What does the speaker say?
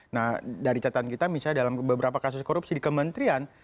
nah dari catatan kita misalnya dalam beberapa kasus korupsi di kementerian